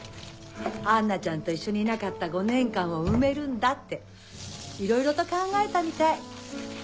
杏奈ちゃんと一緒にいなかった５年間を埋めるんだっていろいろと考えたみたい。